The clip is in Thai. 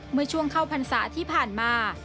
เมื่อช่วงเข้าพรรษาที่ผ่านมา